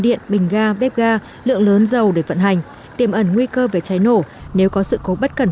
điện bình ga bếp ga lượng lớn dầu để vận hành tiềm ẩn nguy cơ về cháy nổ nếu có sự cố bất cần